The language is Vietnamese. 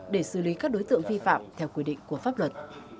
để xử lý các đối tượng vi phạm theo quy định của pháp luật